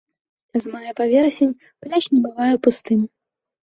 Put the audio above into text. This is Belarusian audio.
З мая па верасень пляж не бывае пустым.